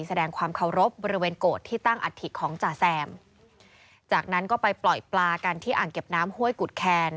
แสดงความเคารพบริเวณโกรธที่ตั้งอัฐิของจ่าแซมจากนั้นก็ไปปล่อยปลากันที่อ่างเก็บน้ำห้วยกุดแคน